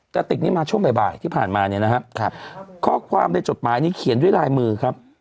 ติกนี้มาช่วงบ่ายที่ผ่านมาเนี่ยนะครับข้อความในจดหมายนี้เขียนด้วยลายมือครับ